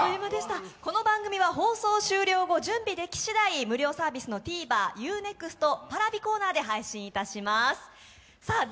この番組は放送終了後準備できしだい、無料サービスのＴｖｅｒ、Ｕ−ＮＥＸＴＰａｒａｖｉコーナーで配信いたします。